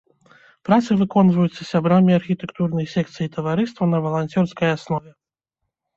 Працы выконваюцца сябрамі архітэктурнай секцыі таварыства на валанцёрскай аснове.